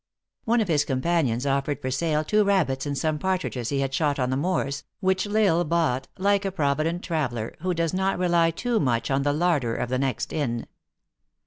One of his companions offered for sale two rabbits and some partridges he had shot on the moors, which L Isle bought, like a provident traveler, who does not rely too much on the larder of the next inn.